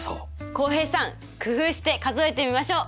浩平さん工夫して数えてみましょう！